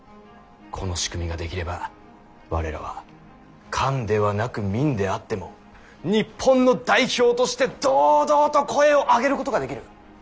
この仕組みが出来れば我らは官ではなく民であっても日本の代表として堂々と声を上げることができる。